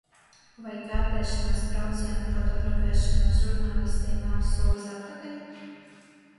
Vai kartēšanas brauciena fotografēšana žurnālistei nav solis atpakaļ?